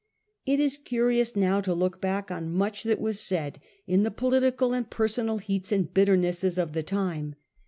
It is curious now to look back on much that was said in the political and personal heats and bitternesses of the time.